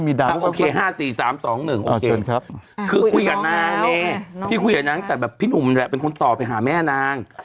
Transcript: คุยกับนางเนี่ยพี่ขุยแล้วนะคะพี่หุ่นเป็นคนตอบหาแม่นาง